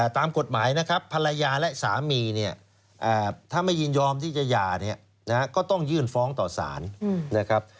ตามกฎหมายนะครับภรรยาและสามีเนี่ยถ้าไม่ยินยอมที่จะหย่าเนี่ยนะฮะก็ต้องยื่นฟ้องต่อสารนะครับ